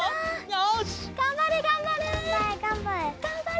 よし！